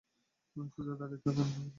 সোজা দাঁড়িয়ে থাকেন, ড্রাক!